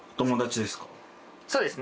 そうですね。